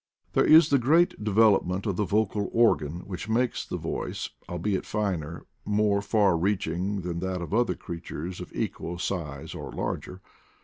There is the great development of the vocal organ, which makes the voice, albeit finer, more far reaching than that of other creatures of equal size or larger.